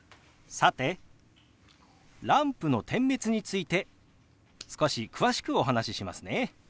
さてランプの点滅について少し詳しくお話ししますね。